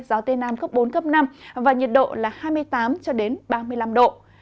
gió tây nam cấp bốn cấp năm và nhiệt độ hai mươi tám ba mươi năm độ